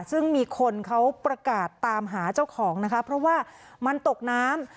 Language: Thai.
ซึ่งมีคนเขาประกาศตามหาเจ้าของนะคะเพราะว่ามันตกน้ำ